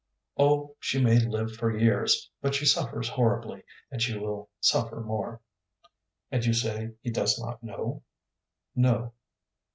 "Oh, she may live for years, but she suffers horribly, and she will suffer more." "And you say he does not know?" "No."